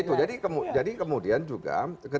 iya jadi kemudian juga